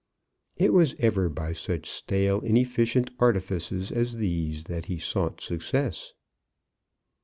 It was ever by such stale, inefficient artifices as these that he sought success.